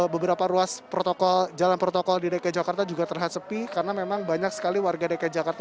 beberapa ruas jalan protokol di dki jakarta juga terlihat sepi karena memang banyak sekali warga dki jakarta